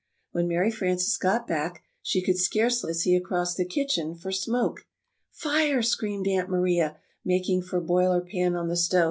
When Mary Frances got back, she could scarcely see across the kitchen for smoke. "Fire!" screamed Aunt Maria, making for Boiler Pan on the stove. [Illustration: "Fire!"